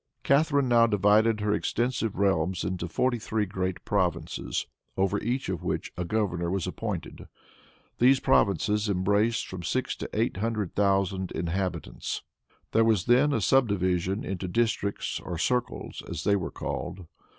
Catharine now divided her extensive realms into forty three great provinces, over each of which a governor was appointed. These provinces embraced from six to eight hundred thousand inhabitants. There was then a subdivision into districts or circles, as they were called.